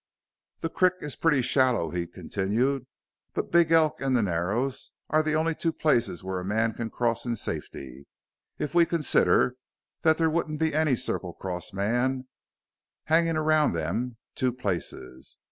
"The crick is pretty shallow," he continued, "but Big Elk an' the Narrows are the only two places where a man can cross in safety if we consider that there wouldn't be any Circle Cross man hangin' around them two places.